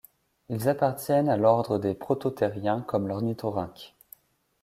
Ils appartiennent à l'Ordre des protothériens, comme l'ornithorynque.